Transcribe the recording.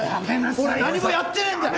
俺何もやってねえんだよ！